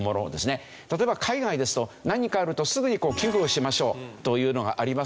例えば海外ですと何かあるとすぐにこう寄付をしましょうというのがありますよね。